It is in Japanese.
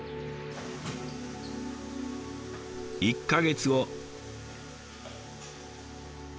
１か月後。